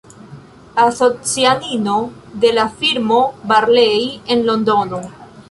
Asocianino de la firmo Barlei, en Londono.